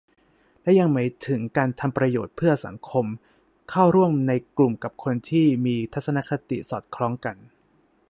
และยังหมายถึงการทำประโยชน์เพื่อสังคม เข้าร่วมในกลุ่มกับคนที่มีทัศนคติสอดคล้องกัน